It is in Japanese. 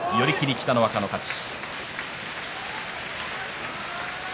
北の若の勝ち。